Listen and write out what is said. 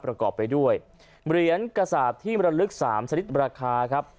ประกอบไปด้วยเหรียญกระสาปที่มรลึก๓ชนิดราคาครับ